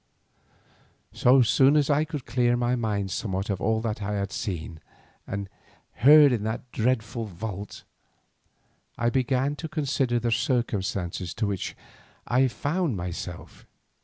So soon as I could clear my mind somewhat of all that I had seen and heard in that dreadful vault, I began to consider the circumstances in which I found myself.